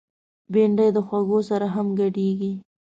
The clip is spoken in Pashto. بېنډۍ د خوږو سره هم ګډیږي